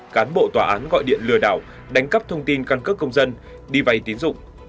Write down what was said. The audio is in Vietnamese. cán bộ tòa án gọi điện lừa đảo đánh cắp thông tin căn cước công dân đi vay tín dụng